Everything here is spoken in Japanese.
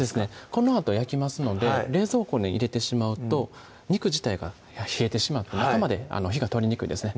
このあと焼きますので冷蔵庫に入れてしまうと肉自体が冷えてしまって中まで火が通りにくいですね